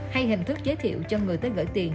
hay hình thức giới thiệu cho người tới gỡ tiền